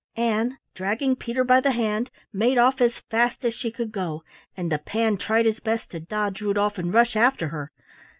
Ann, dragging Peter by the hand, made off as fast as she could go, and the Pan tried his best to dodge Rudolf and rush after her.